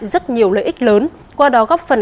rất nhiều lợi ích lớn qua đó góp phần